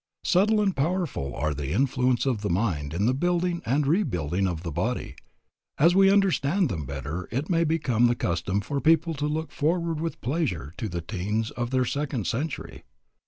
Subtle and powerful are the influences of the mind in the building and rebuilding of the body. As we understand them better it may become the custom for people to look forward with pleasure to the teens of their second century.